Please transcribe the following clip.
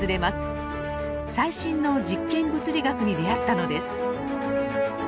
最新の実験物理学に出会ったのです。